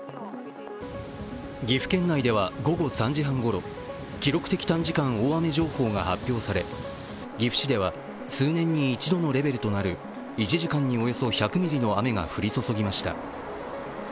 岐阜県内では午後３時半ごろ、記録的短時間大雨が発表され岐阜市では数年に一度のレベルとなる１時間におよそ１００ミリの雨が降り注ぎました。